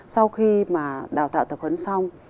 sau khi mà đào tạo tập huấn xong